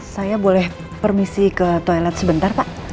saya boleh permisi ke toilet sebentar pak